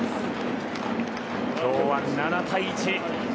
今日は７対１。